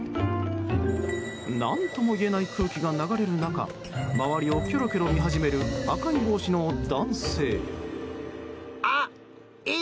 何とも言えない空気が流れる中周りをきょろきょろ見始める赤い帽子の男性。